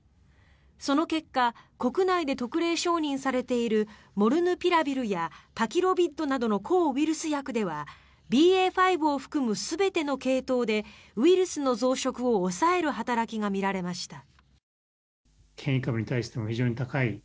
その結果国内で特例承認されているモルヌピラビルやパキロビッドなどの抗ウイルス薬ではＢＡ．５を含む全ての系統でウイルスの増殖を抑える働きが見られました。